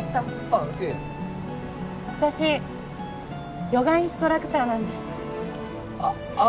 あっいえ私ヨガインストラクターなんですああ